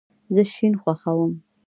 زه شین خوښوم